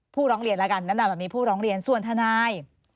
ผู้ร้องเรียนแล้วกันดังนั้นมีผู้ร้องเรียนส่วนทนาย